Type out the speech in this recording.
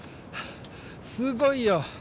すごいよ！